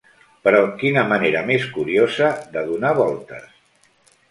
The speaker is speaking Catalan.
Però quina manera més curiosa de donar voltes!